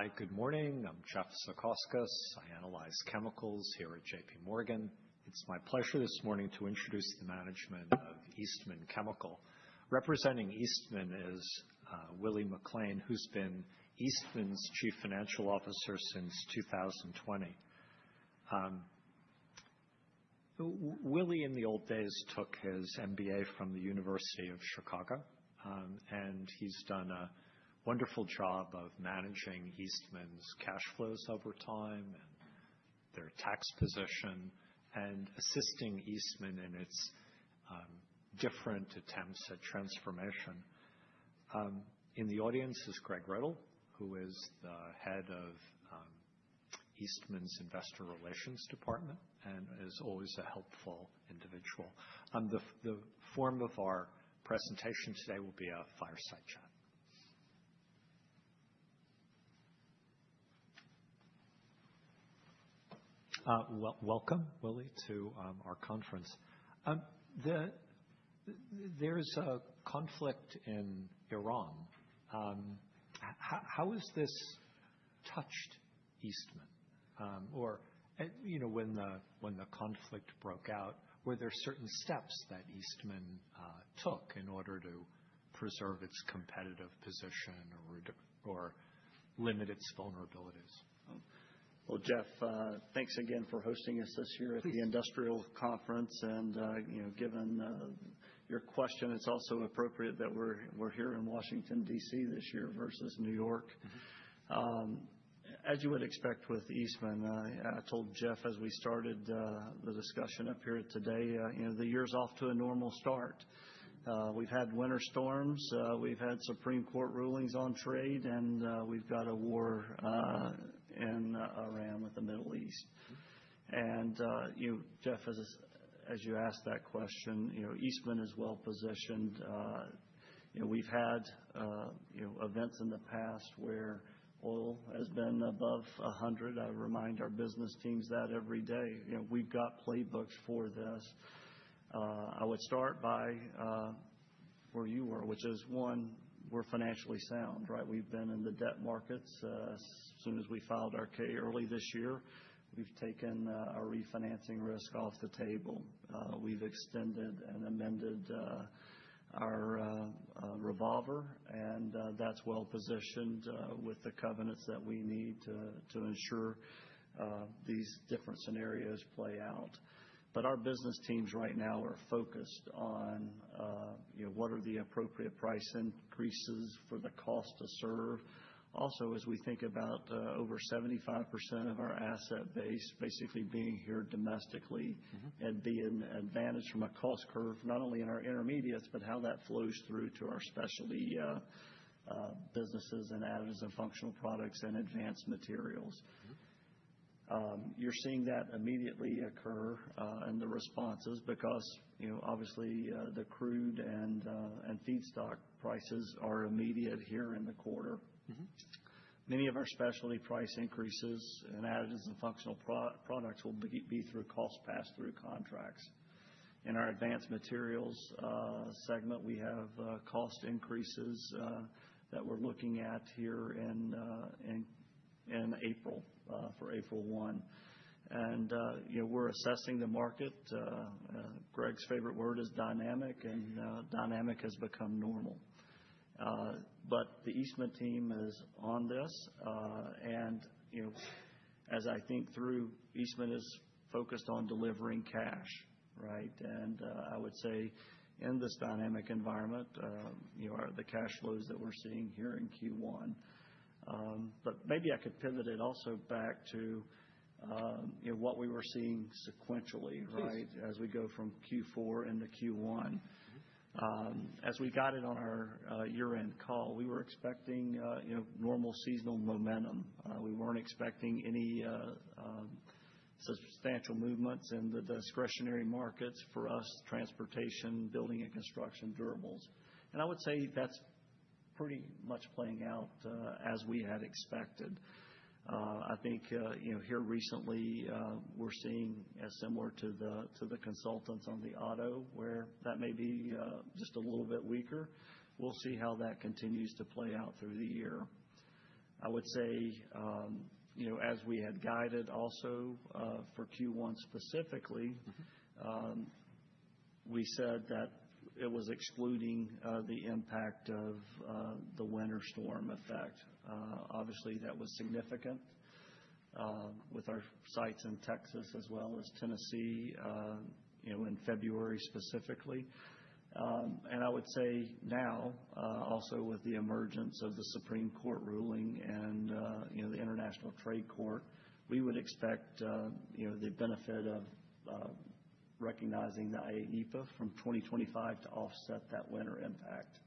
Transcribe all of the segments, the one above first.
Hi, good morning. I'm Jeff Zekauskas. I analyze chemicals here at JPMorgan. It's my pleasure this morning to introduce the management of Eastman Chemical. Representing Eastman is William T. McLain, who's been Eastman's chief financial officer since 2020. Willie, in the old days, took his MBA from the University of Chicago, and he's done a wonderful job of managing Eastman's cash flows over time and their tax position and assisting Eastman in its different attempts at transformation. In the audience is Greg Riddle, who is the head of Eastman's Investor Relations department and is always a helpful individual. The form of our presentation today will be a fireside chat. Welcome, Willie, to our conference. There's a conflict in Iran. How has this touched Eastman? You know, when the conflict broke out, were there certain steps that Eastman took in order to preserve its competitive position or limit its vulnerabilities? Well, Jeff, thanks again for hosting us this year. Please. At the industrial conference and, you know, given your question, it's also appropriate that we're here in Washington, D.C. this year versus New York. As you would expect with Eastman, I told Jeff as we started the discussion up here today, you know, the year's off to a normal start. We've had winter storms, we've had Supreme Court rulings on trade, and we've got a war in Iran with the Middle East. You, Jeff, as you asked that question, you know, Eastman is well positioned. You know, we've had events in the past where oil has been above 100. I remind our business teams that every day. You know, we've got playbooks for this. I would start by where you were, which is, one, we're financially sound, right? We've been in the debt markets. As soon as we filed our K early this year, we've taken our refinancing risk off the table. We've extended and amended our revolver, and that's well positioned with the covenants that we need to ensure these different scenarios play out. Our business teams right now are focused on you know what are the appropriate price increases for the cost to serve. Also, as we think about over 75% of our asset base basically being here domestically. Mm-hmm. being advantaged from a cost curve, not only in our intermediates, but how that flows through to our specialty businesses and Additives & Functional Products and Advanced Materials. Mm-hmm. You're seeing that immediately occur in the responses because, you know, obviously, the crude and feedstock prices are immediate here in the quarter. Mm-hmm. Many of our specialty price increases in Additives & Functional Products will be through cost pass-through contracts. In our Advanced Materials segment, we have cost increases that we're looking at here in April for April 1. You know, we're assessing the market. Greg's favorite word is dynamic, and dynamic has become normal. The Eastman team is on this, and you know, as I think through, Eastman is focused on delivering cash, right? I would say in this dynamic environment, you know, the cash flows that we're seeing here in Q1. Maybe I could pivot it also back to you know, what we were seeing sequentially, right? Please. As we go from Q4 into Q1. Mm-hmm. As we guided on our year-end call, we were expecting, you know, normal seasonal momentum. We weren't expecting any substantial movements in the discretionary markets for us, transportation, building and construction, durables. I would say that's pretty much playing out as we had expected. I think, you know, here recently, we're seeing something similar to the consensus on the auto, where that may be just a little bit weaker. We'll see how that continues to play out through the year. I would say, you know, as we had guided also, for Q1 specifically. Mm-hmm. We said that it was excluding the impact of the winter storm effect. Obviously, that was significant with our sites in Texas as well as Tennessee, you know, in February specifically. I would say now also with the emergence of the Supreme Court of the United States ruling and, you know, the United States Court of International Trade, we would expect the benefit of recognizing the IEEPA from 2025 to offset that winter impact.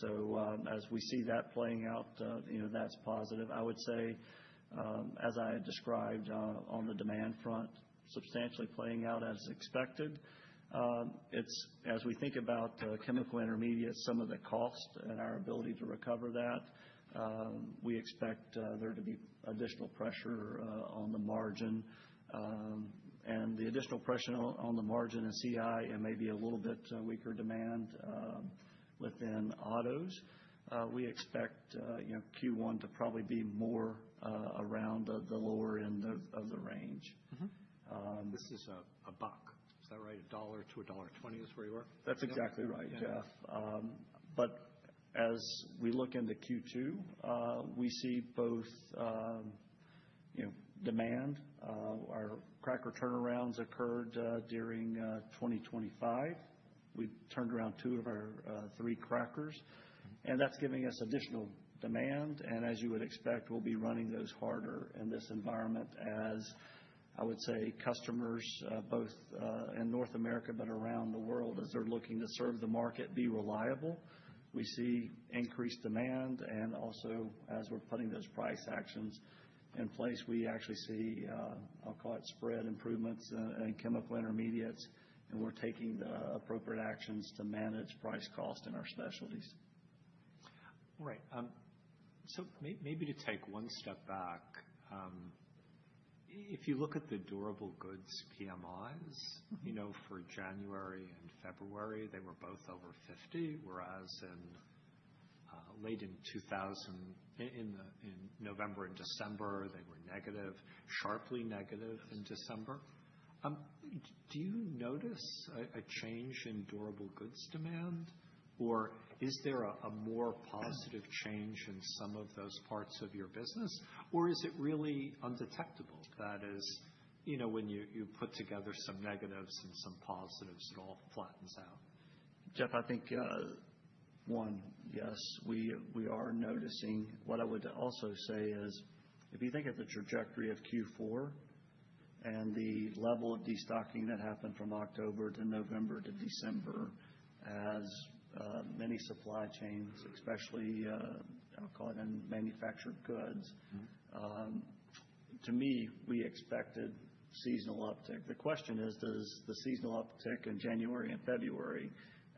Uh-huh. As we see that playing out, you know, that's positive. I would say, as I had described, on the demand front, substantially playing out as expected. It's as we think about Chemical Intermediates, some of the cost and our ability to recover that, we expect there to be additional pressure on the margin. The additional pressure on the margin in CI and maybe a little bit weaker demand within autos, we expect, you know, Q1 to probably be more around the lower end of the range. Mm-hmm. Um. This is a $1. Is that right? $1-$1.20 is where you are? That's exactly right, Jeff. As we look into Q2, we see both, you know, demand, our cracker turnarounds occurred during 2025. We turned around two of our three crackers, and that's giving us additional demand. As you would expect, we'll be running those harder in this environment as, I would say, customers both in North America, but around the world as they're looking to serve the market, be reliable. We see increased demand, and also as we're putting those price actions in place, we actually see, I'll call it spread improvements in Chemical Intermediates, and we're taking the appropriate actions to manage price-cost in our specialties. Right. Maybe to take one step back. If you look at the durable goods PMIs. Mm-hmm. You know, for January and February, they were both over 50, whereas in November and December, they were negative, sharply negative in December. Do you notice a change in durable goods demand, or is there a more positive change in some of those parts of your business, or is it really undetectable? That is, you know, when you put together some negatives and some positives, it all flattens out. Jeff, I think one, yes, we are noticing. What I would also say is if you think of the trajectory of Q4 and the level of destocking that happened from October to November to December as many supply chains, especially, I'll call it manufactured goods. Mm-hmm. To me, we expected seasonal uptick. The question is, does the seasonal uptick in January and February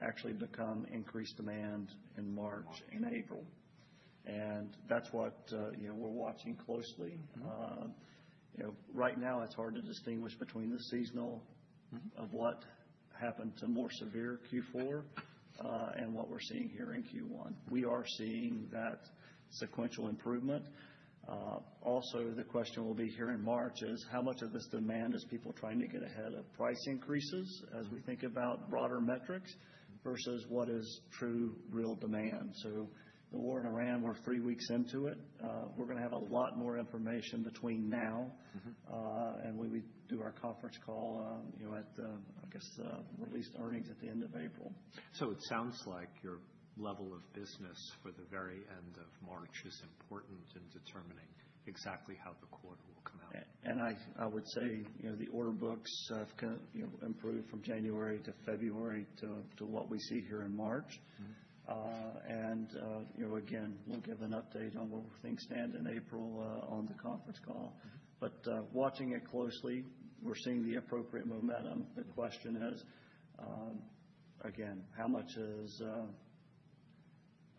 actually become increased demand in March? March. and April? That's what, you know, we're watching closely. Mm-hmm. You know, right now it's hard to distinguish between the seasonal. Mm-hmm of what happened in a more severe Q4 and what we're seeing here in Q1. We are seeing that sequential improvement. Also the question will be here in March is how much of this demand is people trying to get ahead of price increases as we think about broader metrics versus what is true real demand. The war in Iran, we're three weeks into it. We're going to have a lot more information between now Mm-hmm. When we do our conference call, you know, at I guess released earnings at the end of April. It sounds like your level of business for the very end of March is important in determining exactly how the quarter will come out. I would say, you know, the order books have you know, improved from January to February to what we see here in March. Mm-hmm. You know, again, we'll give an update on where things stand in April on the conference call. Watching it closely, we're seeing the appropriate momentum. The question is, again, how much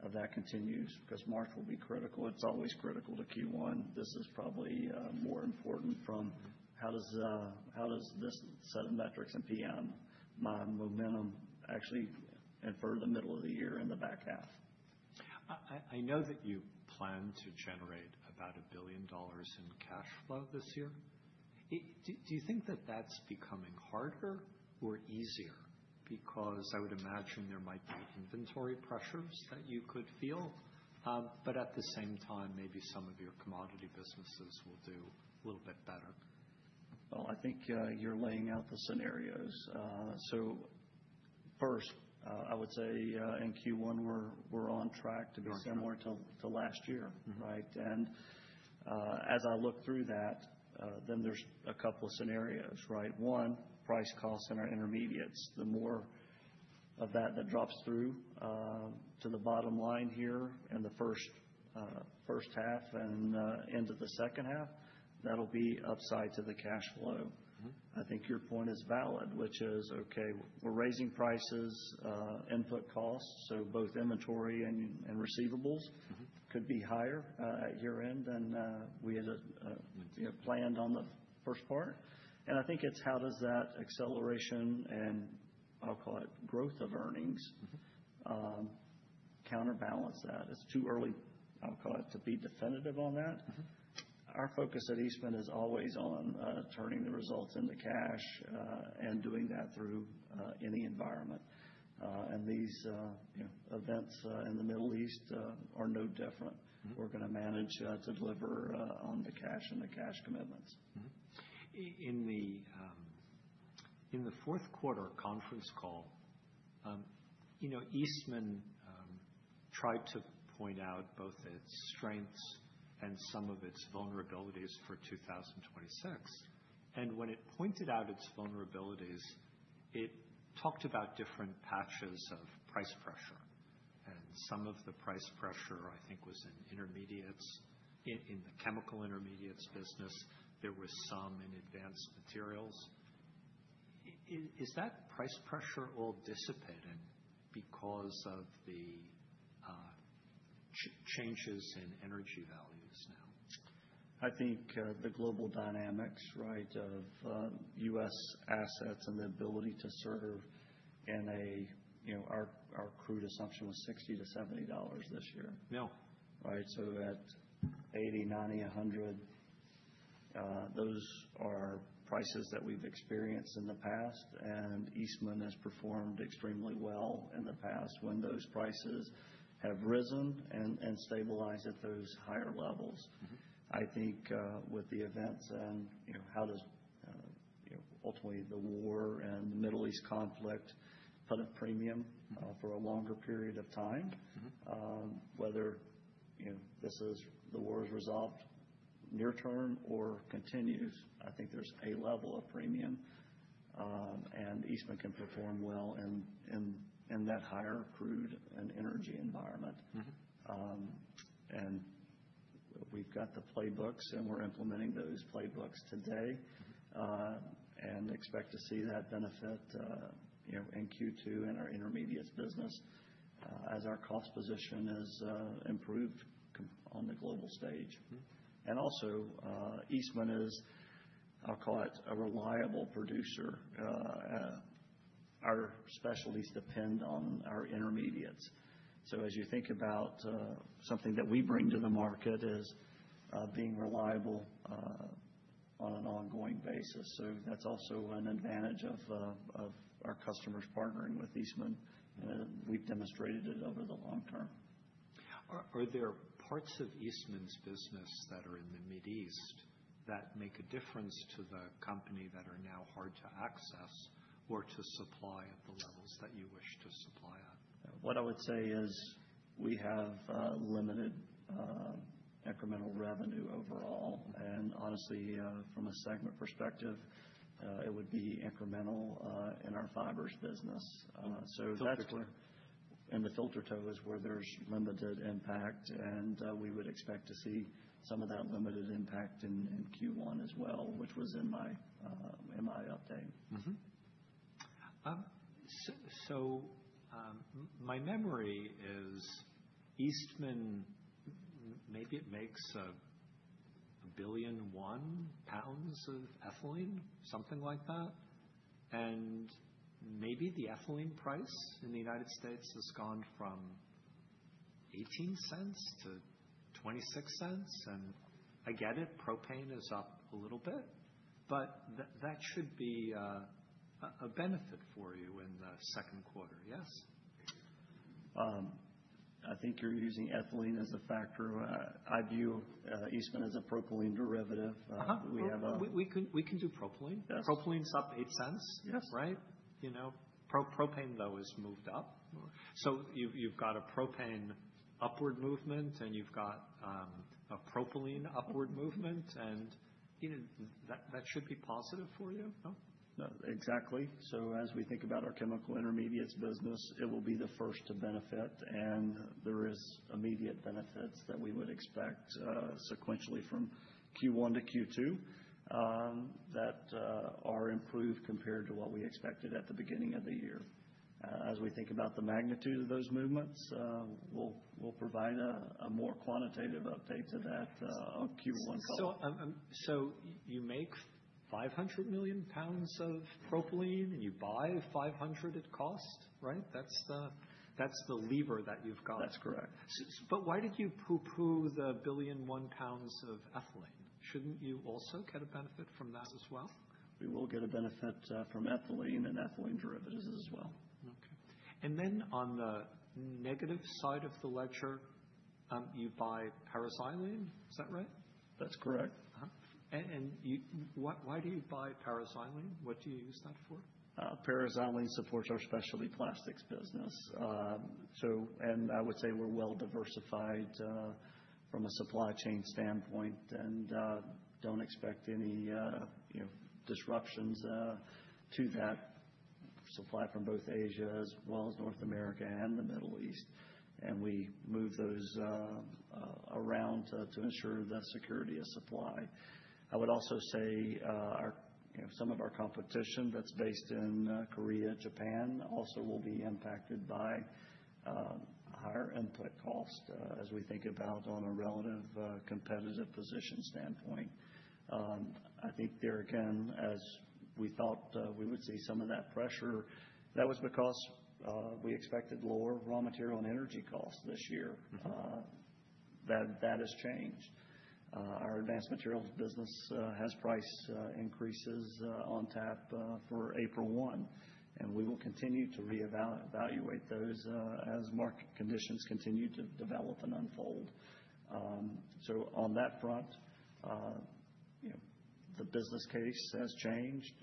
of that continues? 'Cause March will be critical. It's always critical to Q1. This is probably more important from how does this set of metrics and PMI momentum actually infer the middle of the year in the back half. I know that you plan to generate about $1 billion in cash flow this year. Do you think that that's becoming harder or easier? Because I would imagine there might be inventory pressures that you could feel. At the same time, maybe some of your commodity businesses will do a little bit better. Well, I think you're laying out the scenarios. First, I would say, in Q1, we're on track to be similar to last year. Mm-hmm. Right? As I look through that, then there's a couple of scenarios, right? One, price cost in our intermediates. The more of that that drops through to the bottom line here in the first half and into the second half, that'll be upside to the cash flow. Mm-hmm. I think your point is valid, which is, okay, we're raising prices, input costs, so both inventory and receivables. Mm-hmm could be higher at year-end than we had you know planned on the first part. I think it's how does that acceleration and I'll call it growth of earnings- Mm-hmm Counterbalance that. It's too early, I'll call it, to be definitive on that. Mm-hmm. Our focus at Eastman is always on turning the results into cash and doing that through any environment. These, you know, events in the Middle East are no different. Mm-hmm. We're gonna manage to deliver on the cash and the cash commitments. Mm-hmm. In the fourth quarter conference call, you know, Eastman tried to point out both its strengths and some of its vulnerabilities for 2026, and when it pointed out its vulnerabilities, it talked about different pockets of price pressure. Some of the price pressure, I think, was in intermediates. In the Chemical Intermediates business, there was some in Advanced Materials. Is that price pressure all dissipated because of the changes in energy values now? I think the global dynamics, right, of U.S. assets and the ability to serve in a, you know, our crude assumption was $60-$70 this year. Yeah. Right. That 80, 90, 100, those are prices that we've experienced in the past, and Eastman has performed extremely well in the past when those prices have risen and stabilized at those higher levels. Mm-hmm. I think, with the events and, you know, how does, you know, ultimately the war and Middle East conflict put a premium- Mm-hmm. for a longer period of time. Mm-hmm. Whether, you know, the war is resolved near term or continues, I think there's a level of premium, and Eastman can perform well in that higher crude and energy environment. Mm-hmm. We've got the playbooks, and we're implementing those playbooks today, and expect to see that benefit, you know, in Q2 in our Chemical Intermediates business, as our cost position is improved on the global stage. Mm-hmm. Eastman is, I'll call it, a reliable producer. Our specialties depend on our intermediates. As you think about, something that we bring to the market is, being reliable, on an ongoing basis. That's also an advantage of our customers partnering with Eastman. We've demonstrated it over the long term. Are there parts of Eastman's business that are in the Middle East that make a difference to the company that are now hard to access or to supply at the levels that you wish to supply at? What I would say is we have limited incremental revenue overall. Honestly, from a segment perspective, it would be incremental in our fibers business. That's- Filter tow. The Filter tow is where there's limited impact, and we would expect to see some of that limited impact in Q1 as well, which was in my update. My memory is Eastman maybe it makes 1,000,000,001 pounds of ethylene, something like that. Maybe the ethylene price in the United States has gone from $0.18-$0.26. I get it, propane is up a little bit, but that should be a benefit for you in the second quarter, yes? I think you're using ethylene as a factor. I view Eastman as a propylene derivative. We have a- We can do propylene. Yes. Propylene's up $0.08. Yes. Right? You know, propane though has moved up. You've got a propane upward movement and you've got a propylene upward movement, and you know, that should be positive for you, no? Exactly. As we think about our Chemical Intermediates business, it will be the first to benefit, and there is immediate benefits that we would expect sequentially from Q1 to Q2 that are improved compared to what we expected at the beginning of the year. As we think about the magnitude of those movements, we'll provide a more quantitative update to that on Q1 call. You make 500 million pounds of propylene and you buy 500 at cost, right? That's the lever that you've got. That's correct. Why did you poo-poo 1 billion and 1 pounds of ethylene? Shouldn't you also get a benefit from that as well? We will get a benefit from ethylene and ethylene derivatives as well. Okay. On the negative side of the ledger, you buy paraxylene. Is that right? That's correct. Why do you buy paraxylene? What do you use that for? paraxylene supports our specialty plastics business. I would say we're well diversified from a supply chain standpoint and don't expect any, you know, disruptions to that supply from both Asia as well as North America and the Middle East. We move those around to ensure that security of supply. I would also say our, you know, some of our competition that's based in Korea, Japan also will be impacted by higher input costs as we think about on a relative competitive position standpoint. I think there again, as we thought, we would see some of that pressure. That was because we expected lower raw material and energy costs this year. Mm-hmm. That has changed. Our Advanced Materials business has price increases on tap for April 1, and we will continue to reevaluate those as market conditions continue to develop and unfold. On that front, you know, the business case has changed.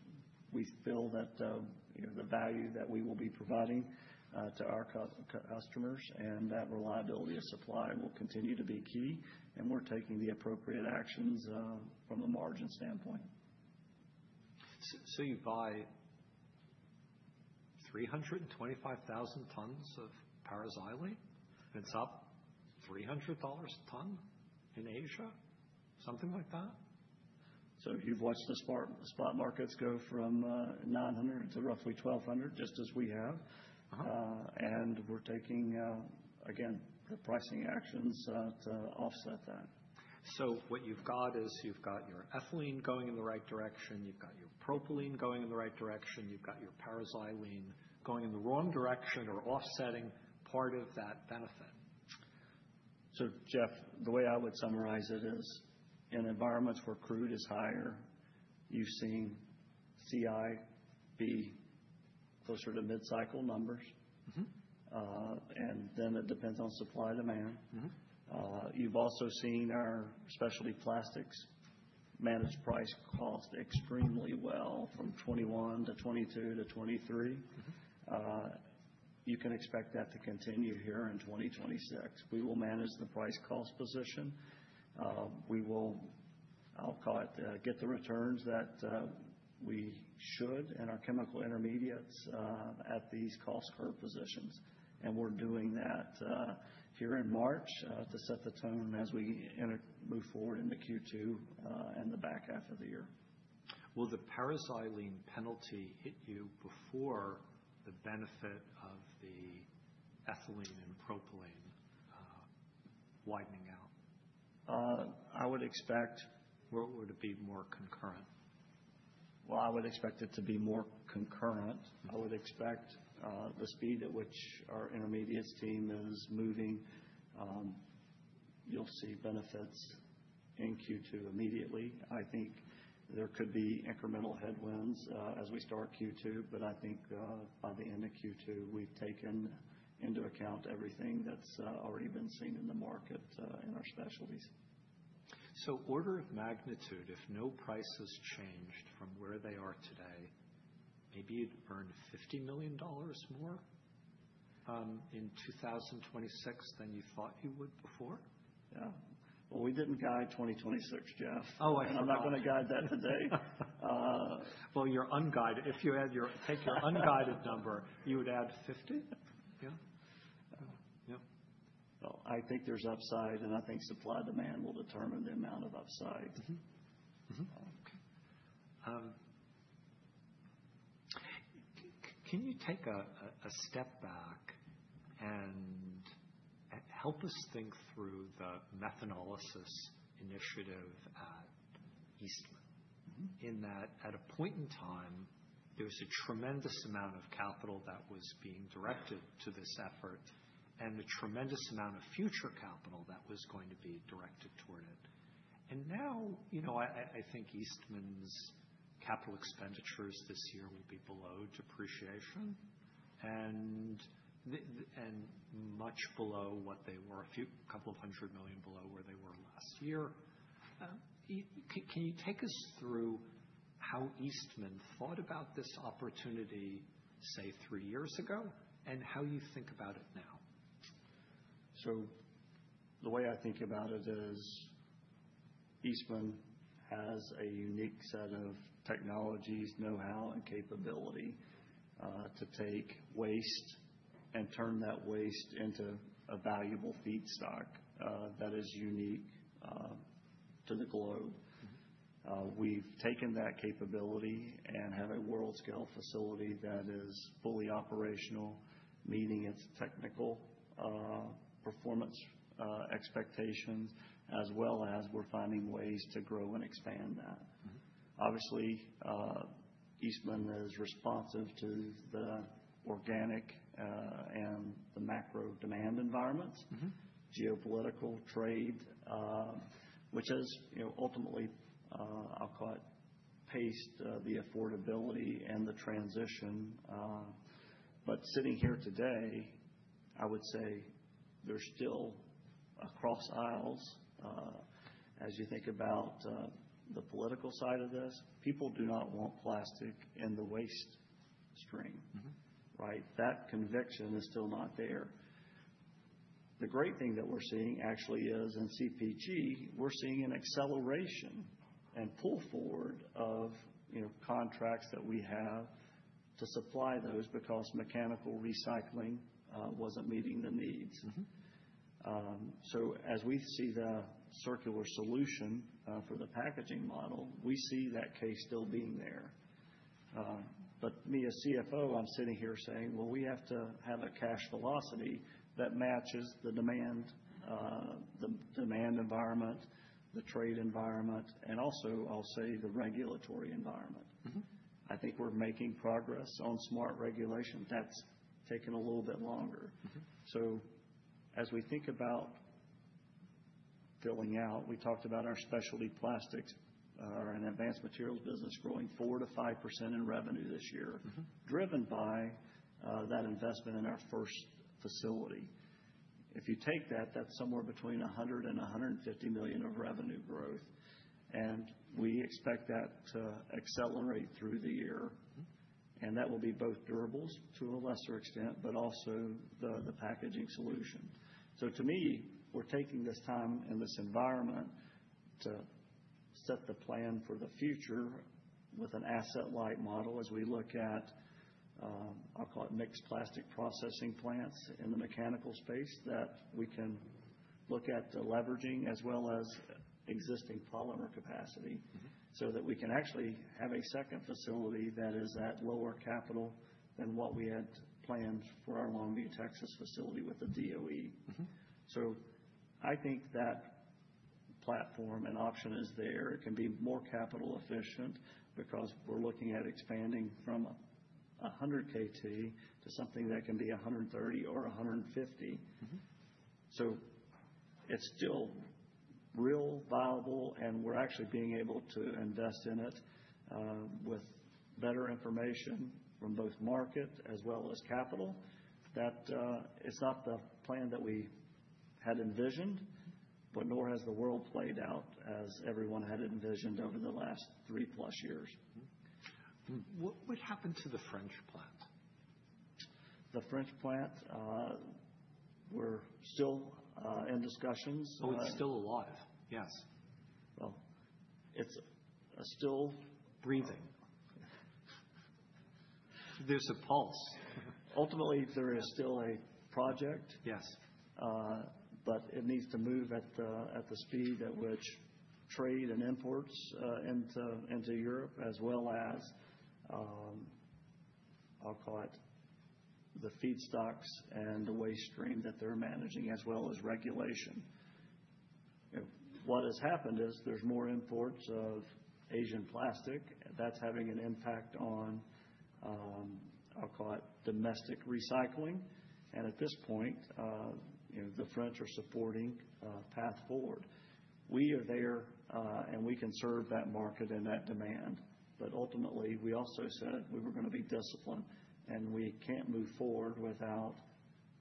We feel that, you know, the value that we will be providing to our customers and that reliability of supply will continue to be key, and we're taking the appropriate actions from a margin standpoint. You buy 325,000 tons of paraxylene, and it's up $300 a ton in Asia, something like that? You've watched the paraxylene spot markets go from $900 to roughly $1,200, just as we have. Uh-huh. We're taking again the pricing actions to offset that. What you've got is you've got your ethylene going in the right direction, you've got your propylene going in the right direction, you've got your paraxylene going in the wrong direction or offsetting part of that benefit. Jeff, the way I would summarize it is, in environments where crude is higher, you're seeing CI be closer to mid-cycle numbers. Mm-hmm. It depends on supply and demand. Mm-hmm. You've also seen our specialty plastics manage price cost extremely well from 2021 to 2022 to 2023. Mm-hmm. You can expect that to continue here in 2026. We will manage the price cost position. We will, I'll call it, get the returns that we should in our Chemical Intermediates at these cost curve positions, and we're doing that here in March to set the tone as we move forward into Q2 and the back half of the year. Will the paraxylene penalty hit you before the benefit of the ethylene and propylene, widening out? I would expect. Would it be more concurrent? Well, I would expect it to be more concurrent. Mm-hmm. I would expect the speed at which our intermediates team is moving. You'll see benefits in Q2 immediately. I think there could be incremental headwinds as we start Q2, but I think by the end of Q2, we've taken into account everything that's already been seen in the market in our specialties. Order of magnitude, if no prices changed from where they are today, maybe you'd earn $50 million more in 2026 than you thought you would before? Yeah. Well, we didn't guide 2026, Jeff. Oh, I know. I'm not gonna guide that today. Well, you're unguided. Take your unguided number, you would add 50? Yeah. Yep. Well, I think there's upside, and I think supply demand will determine the amount of upside. Can you take a step back and help us think through the methanolysis initiative at Eastman. Mm-hmm. In that, at a point in time, there was a tremendous amount of capital that was being directed to this effort, and a tremendous amount of future capital that was going to be directed toward it. Now, you know, I think Eastman's capital expenditures this year will be below depreciation. Mm-hmm. Much below what they were, $200 million below where they were last year. Can you take us through how Eastman thought about this opportunity, say, three years ago, and how you think about it now? The way I think about it is, Eastman has a unique set of technologies, know-how, and capability to take waste and turn that waste into a valuable feedstock that is unique to the globe. Mm-hmm. We've taken that capability and have a world-scale facility that is fully operational, meeting its technical, performance, expectations, as well as we're finding ways to grow and expand that. Mm-hmm. Obviously, Eastman is responsive to the organic, and the macro demand environments. Mm-hmm. Geopolitical trade, which is, you know, ultimately, I'll call it, paced, the affordability and the transition. Sitting here today, I would say there's still, across aisles, as you think about, the political side of this, people do not want plastic in the waste stream. Mm-hmm. Right? That conviction is still not there. The great thing that we're seeing actually is in CPG, we're seeing an acceleration and pull forward of, you know, contracts that we have to supply those because mechanical recycling wasn't meeting the needs. Mm-hmm. As we see the circular solution for the packaging model, we see that case still being there. Me, as CFO, I'm sitting here saying, "Well, we have to have a cash velocity that matches the demand, the demand environment, the trade environment, and also I'll say the regulatory environment. Mm-hmm. I think we're making progress on smart regulation. That's taken a little bit longer. Mm-hmm. As we think about filling out, we talked about our specialty plastics and Advanced Materials business growing 4%-5% in revenue this year. Mm-hmm. Driven by that investment in our first facility. If you take that's somewhere between $100 million and $150 million of revenue growth, and we expect that to accelerate through the year. Mm-hmm. That will be both durables to a lesser extent, but also the packaging solution. To me, we're taking this time and this environment to set the plan for the future with an asset light model as we look at, I'll call it mixed plastic processing plants in the mechanical space that we can look at leveraging as well as existing polymer capacity, so that we can actually have a second facility that is at lower capital than what we had planned for our Longview, Texas facility with the DOE. Mm-hmm. I think that platform and option is there. It can be more capital efficient because we're looking at expanding from 100 KT to something that can be 130 or 150. Mm-hmm. It's still really viable, and we're actually being able to invest in it, with better information from both market as well as capital, that, it's not the plan that we had envisioned, but nor has the world played out as everyone had envisioned over the last 3-plus years. Mm-hmm. What happened to the French plant? The French plant, we're still in discussions. Oh, it's still alive? Yes. Well, it's still. Breathing. There's a pulse. Ultimately, there is still a project. Yes. It needs to move at the speed at which trade and imports into Europe as well as I'll call it the feedstocks and the waste stream that they're managing, as well as regulation. You know, what has happened is there's more imports of Asian plastic that's having an impact on I'll call it domestic recycling. At this point, you know, the French are supporting a path forward. We are there and we can serve that market and that demand. Ultimately, we also said we were gonna be disciplined, and we can't move forward without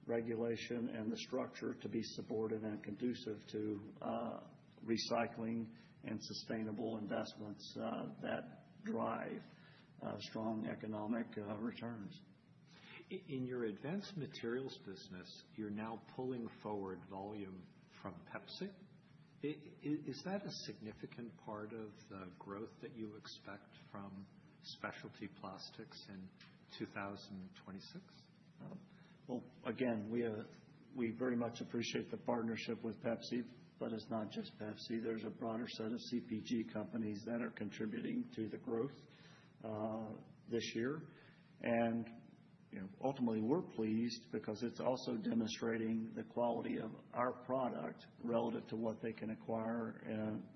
regulation and the structure to be supportive and conducive to recycling and sustainable investments that drive strong economic returns. In your advanced materials business, you're now pulling forward volume from PepsiCo. Is that a significant part of the growth that you expect from specialty plastics in 2026? Well, again, we very much appreciate the partnership with PepsiCo, but it's not just PepsiCo. There's a broader set of CPG companies that are contributing to the growth this year. You know, ultimately, we're pleased because it's also demonstrating the quality of our product relative to what they can acquire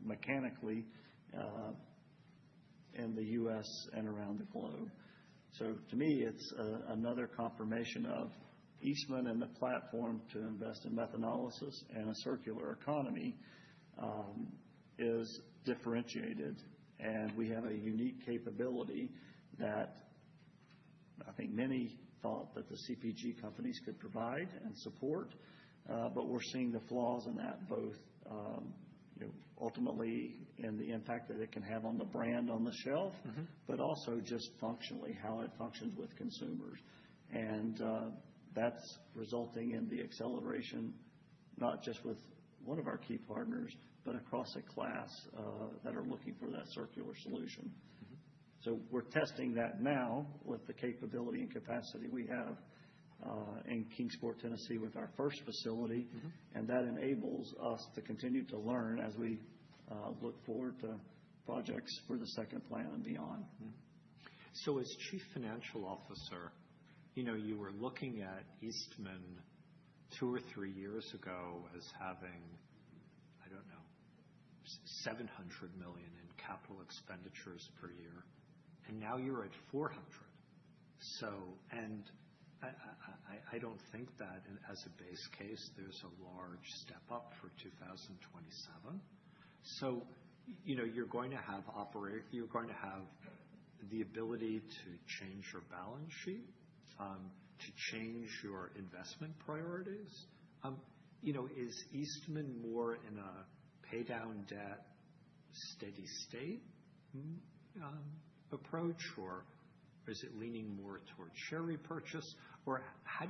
mechanically in the U.S. and around the globe. To me, it's another confirmation of Eastman and the platform to invest in Methanolysis and a circular economy is differentiated. We have a unique capability that I think many thought that the CPG companies could provide and support, but we're seeing the flaws in that both, you know, ultimately in the impact that it can have on the brand on the shelf. Mm-hmm. also just functionally how it functions with consumers. That's resulting in the acceleration, not just with one of our key partners, but across a class that are looking for that circular solution. Mm-hmm. We're testing that now with the capability and capacity we have in Kingsport, Tennessee, with our first facility. Mm-hmm. That enables us to continue to learn as we look forward to projects for the second plant and beyond. As chief financial officer, you know, you were looking at Eastman two or three years ago as having, I don't know, $700 million in capital expenditures per year, and now you're at $400 million. I don't think that as a base case, there's a large step up for 2027. You know, you're going to have the ability to change your balance sheet, to change your investment priorities. You know, is Eastman more in a pay down debt, steady state, approach, or is it leaning more towards share repurchase? Or how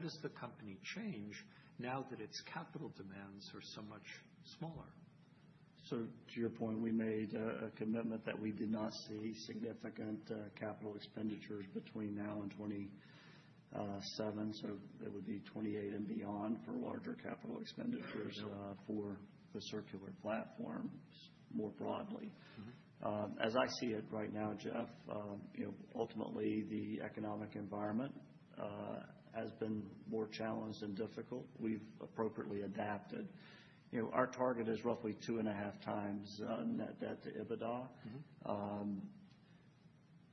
does the company change now that its capital demands are so much smaller? To your point, we made a commitment that we did not see significant capital expenditures between now and 2027, so that would be 2028 and beyond for larger capital expenditures. Yeah. for the circular platforms more broadly. Mm-hmm. As I see it right now, Jeff, you know, ultimately, the economic environment has been more challenged and difficult. We've appropriately adapted. You know, our target is roughly 2.5x net debt to EBITDA. Mm-hmm.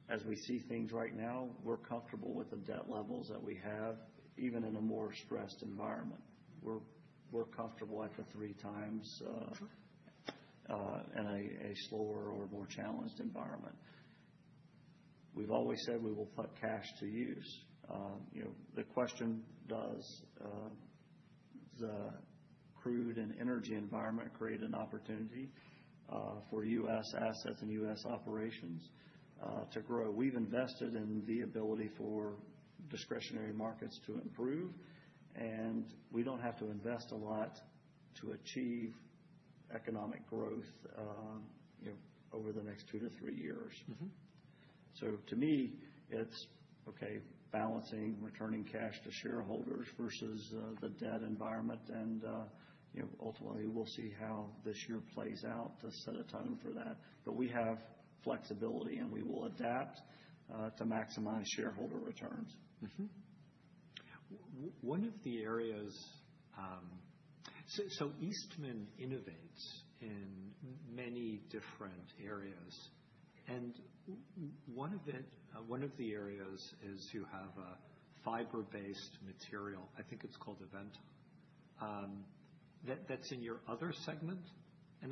As we see things right now, we're comfortable with the debt levels that we have, even in a more stressed environment. We're comfortable at the 3x. Mm-hmm. In a slower or more challenged environment. We've always said we will put cash to use. You know, the question, does the crude and energy environment create an opportunity for U.S. assets and U.S. operations? To grow. We've invested in the ability for discretionary markets to improve, and we don't have to invest a lot to achieve economic growth, you know, over the next two to three years. Mm-hmm. To me, it's okay balancing returning cash to shareholders versus the debt environment and, you know, ultimately, we'll see how this year plays out to set a tone for that. We have flexibility, and we will adapt to maximize shareholder returns. One of the areas Eastman innovates in many different areas, and one of the areas is you have a fiber-based material. I think it's called Aventa, that's in your other segment.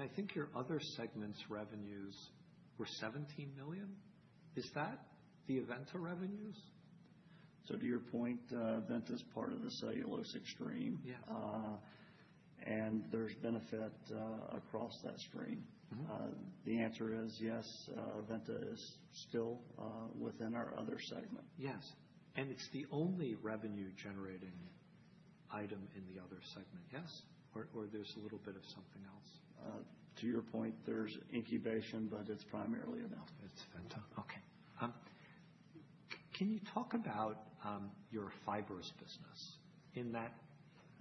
I think your other segment's revenues were $17 million. Is that the Aventa revenues? To your point, Aventa is part of the cellulosic stream. Yes. There's benefit across that stream. Mm-hmm. The answer is yes. Aventa is still within our other segment. Yes. It's the only revenue generating item in the other segment, yes? Or, there's a little bit of something else. To your point, there's incubation, but it's primarily Aventa. It's Aventa. Okay. Can you talk about your fibrous business? In that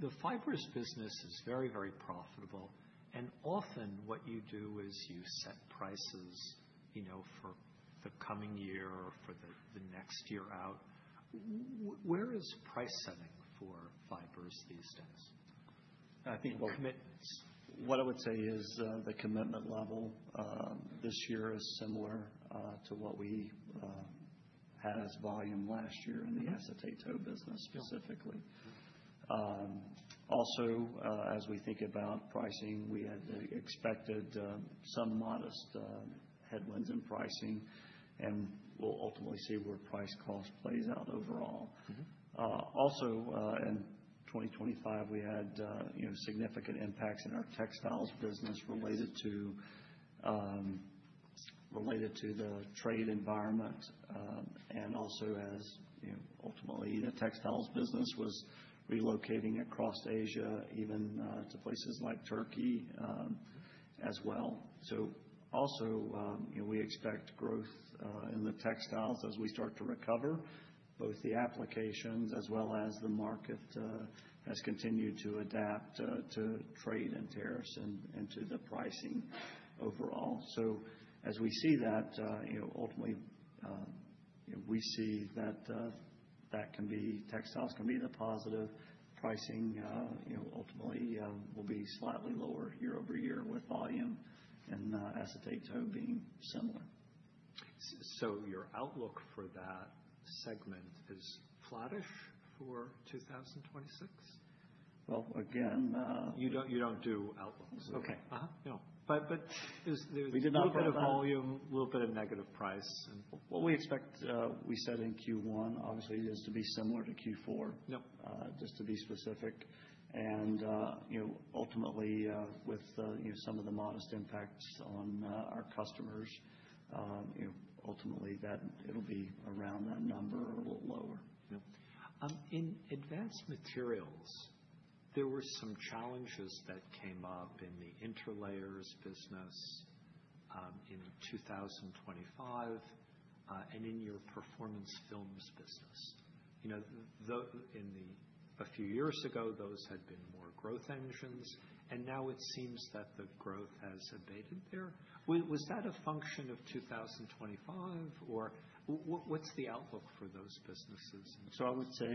the fibrous business is very, very profitable, and often what you do is you set prices, you know, for the coming year or for the next year out. Where is price setting for fibrous these days? I think what I would say is the commitment level this year is similar to what we had as volume last year. Yes. -in the Acetate tow business specifically. Also, as we think about pricing, we had expected some modest headwinds in pricing, and we'll ultimately see where price cost plays out overall. Mm-hmm. Also, in 2025, we had, you know, significant impacts in our textiles business related to the trade environment, and also as, you know, ultimately the textiles business was relocating across Asia even to places like Turkey, as well. Also, you know, we expect growth in the textiles as we start to recover both the applications as well as the market has continued to adapt to trade and tariffs and to the pricing overall. As we see that, you know, ultimately we see that can be, textiles can be the positive pricing, you know, ultimately will be slightly lower year-over-year with volume and Acetate tow being similar. Your outlook for that segment is flattish for 2026? Well, again, You don't do outlooks. Okay. No. We did not- A little bit of volume, a little bit of negative price. What we expect, we said in Q one obviously is to be similar to Q four. Yep. Just to be specific. You know, ultimately, with you know, some of the modest impacts on our customers, you know, ultimately that it'll be around that number a little lower. Yep. In Advanced Materials, there were some challenges that came up in the Interlayers business, in 2025, and in your Performance Films business. You know, a few years ago, those had been more growth engines, and now it seems that the growth has abated there. Was that a function of 2025, or what's the outlook for those businesses? I would say,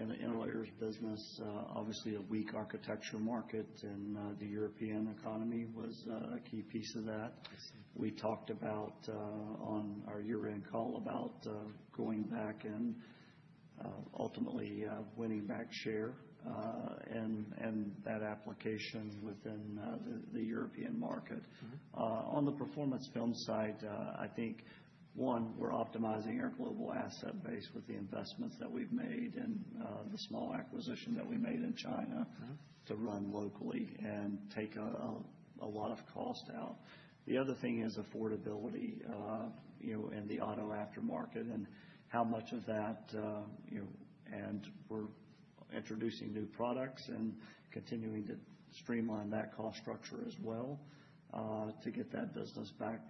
in the Interlayers business, obviously a weak architectural market and the European economy was a key piece of that. Yes. We talked about on our year-end call about going back and ultimately winning back share, and that application within the European market. Mm-hmm. On the Performance Films side, I think one, we're optimizing our global asset base with the investments that we've made and, the small acquisition that we made in China. Mm-hmm. to run locally and take a lot of cost out. The other thing is affordability, you know, in the auto aftermarket and how much of that, you know, and we're introducing new products and continuing to streamline that cost structure as well, to get that business back,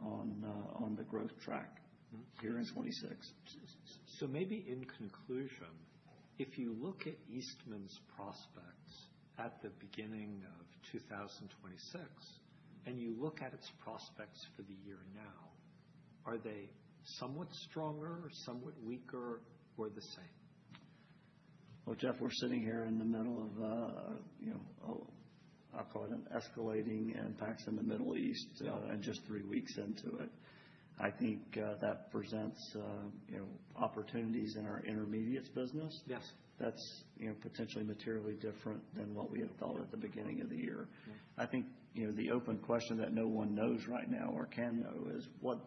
on the growth track here in 2026. Maybe in conclusion, if you look at Eastman's prospects at the beginning of 2026, and you look at its prospects for the year now, are they somewhat stronger, somewhat weaker, or the same? Well, Jeff, we're sitting here in the middle of, you know, I'll call it escalating impacts in the Middle East, and just three weeks into it. I think that presents, you know, opportunities in our intermediates business. Yes. That's, you know, potentially materially different than what we had thought at the beginning of the year. Yes. I think, you know, the open question that no one knows right now or can know is what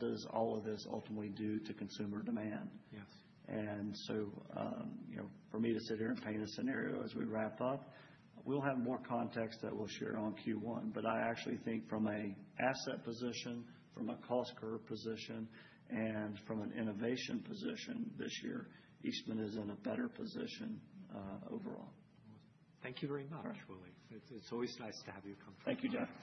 does all of this ultimately do to consumer demand? Yes. You know, for me to sit here and paint a scenario as we wrap up, we'll have more context that we'll share on Q1. I actually think from an asset position, from a cost curve position, and from an innovation position this year, Eastman is in a better position overall. Thank you very much, Willie. It's always nice to have you come. Thank you, Jeff.